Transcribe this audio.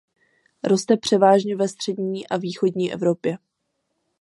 Roste převážně ve střední a východní Evropě.